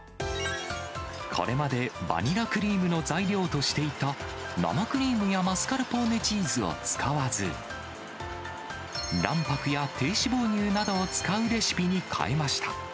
これまでバニラクリームの材料としていた生クリームやマスカルポーネチーズを使わず、卵白や低脂肪乳などを使うレシピに変えました。